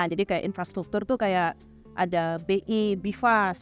jadi infrastruktur itu seperti bi bifas